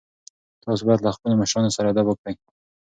تاسو باید له خپلو مشرانو سره ادب وکړئ.